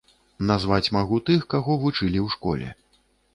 Назваць магу тых, каго вучылі ў школе.